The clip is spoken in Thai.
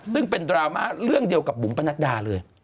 ซึ่งเป็นดราม่าเรื่องเดียวกับบุ๋มประนัดดาเลย